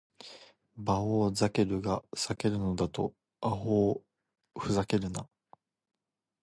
バオウ・ザケルガを避けるだと！アホウ・フザケルナ！